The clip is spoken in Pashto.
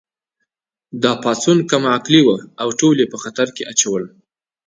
دا پاڅون کم عقلې وه او ټول یې په خطر کې اچول